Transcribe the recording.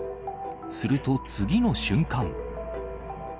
すると次の瞬間。